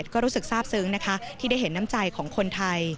ก็รู้สึกทราบซึ้งนะคะที่ได้เห็นน้ำใจของคนไทย